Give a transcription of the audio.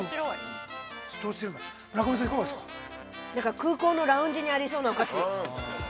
◆空港のラウンジにありそうなお菓子。